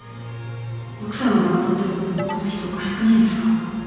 奥さんが亡くなってるのにあの人おかしくないですか？